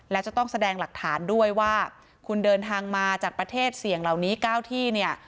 และจะต้องแสดงหลักฐานด้วยว่าคุณเดินทางมาจากประเทศเสี่ยงเหล่านี้๙ที่เนี่ย